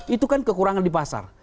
itu kan kekurangan di pasar